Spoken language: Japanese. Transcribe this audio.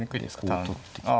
こう取ってきて。